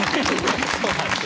そうなんですよ。